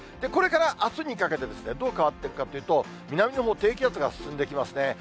これからあすにかけてですね、どう変わっていくかというと、南のほう、低気圧が進んできますね。